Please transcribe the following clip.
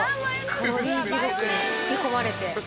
カロリー地獄に引き込まれて。